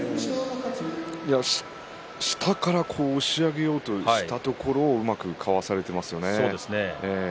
下から押し上げようとしたところをうまくかわされていますよね。